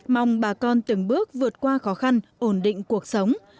mong bà con từng bước vượt qua khó khăn ổn định cuộc sống